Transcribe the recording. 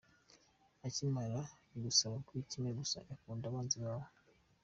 Icy'Imana igusaba n'ikimwe gusa ukunde abanzi bawe.